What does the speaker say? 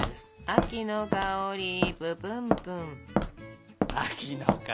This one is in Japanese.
秋の香りププンプン。